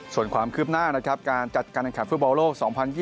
ส่วนความคืบหน้านะครับการจัดการแข่งขันฟุตบอลโลก๒๐๒๐